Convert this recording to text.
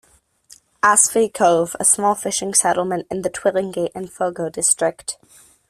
Aspey cove, a small fishing settlement in the Twillingate and Fogo district.